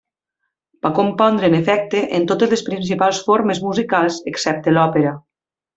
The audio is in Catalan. Va compondre en efecte en totes les principals formes musicals excepte l'òpera.